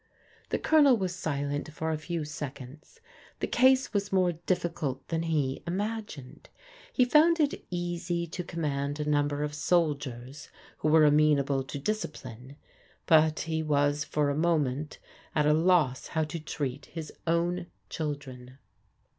The Q)lonel was silent for a few seconds. The case was more difficult than he imagined. He found it easy to command a number of soldiers who were amenable to discipline ; but he was for a moment at a loss how to treat his own children.